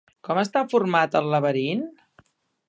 Com està format el laberint?